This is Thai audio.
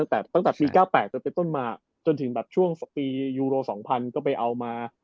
ตั้งแต่ปี๙๘จนเป็นต้นมาจนถึงแบบช่วงปียูโร๒๐๐ก็ไปเอามา